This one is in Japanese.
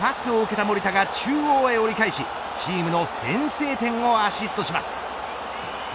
ペナルティーエリア内でパスを受けた守田が中央へ折り返しチームの先制点をアシストします。